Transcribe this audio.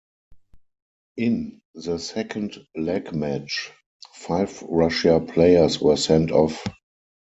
In the second-leg match, five Russia players were sent off.